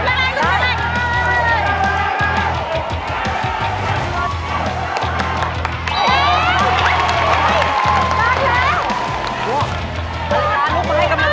ลูกที่สามลูกที่สาม